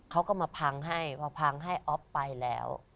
เขาก็มาพังให้พอพังให้อ๊อฟไปแล้ว